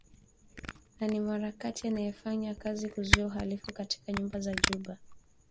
ni mwanaharakati anayefanya kazi kuzuia uhalifu katika nyumba za Juba